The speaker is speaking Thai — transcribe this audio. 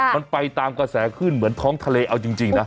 มันไปตามกระแสขึ้นเหมือนท้องทะเลเอาจริงนะ